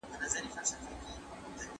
که پاچا عادل وي نو حکومت به یې دوام وکړي.